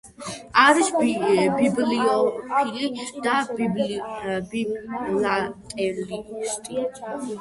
არის ბიბლიოფილი და ფილატელისტი.